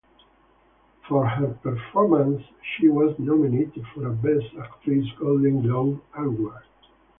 For her performance, she was nominated for a Best Actress Golden Globe Award.